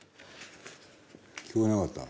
聞こえなかった？